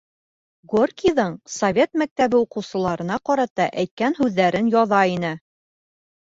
Горькийҙың совет мәктәбе уҡыусыларына ҡарата әйткән һүҙҙәрен яҙа ине.